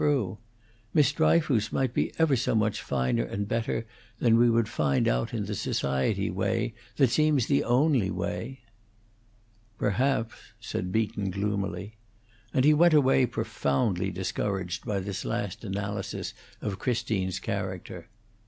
Miss Dryfoos might be ever so much finer and better than we would find out in the society way that seems the only way." "Perhaps," said Beaton, gloomily; and he went away profoundly discouraged by this last analysis of Christine's character.